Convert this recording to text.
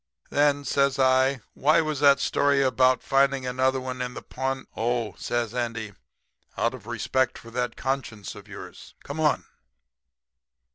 "'Then,' says I, 'why was that story about finding another one in the pawn ' "'Oh,' says Andy, 'out of respect for that conscience of yours. Come on.'"